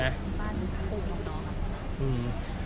ตัวบ้านสู่พวกน้อง